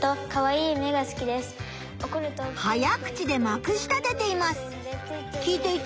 早口でまくしたてています。